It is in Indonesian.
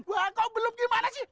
wah kau belum gimana sih